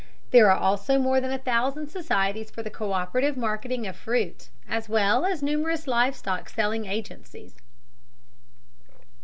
There are also more than a thousand societies for the co÷perative marketing of fruit, as well as numerous live stock selling agencies.